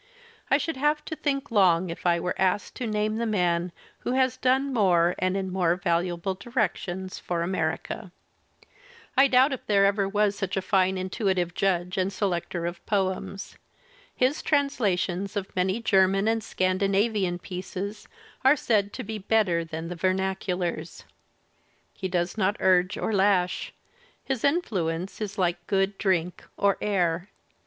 I should have to think long if I were asked to name the man who has done more, and in more valuable directions, for America. 87 Digitized by Google d8 THE SPIRIT OF AMERICAN LITERATURE "I doubt if there ever was such a fine intuitive judge and selecter of poems. His translations of many German and Scandinavian pieces are said to be better than the vernaculars. He does not urge or lash. Hil^ihfluence is like good drink or air.